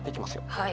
はい。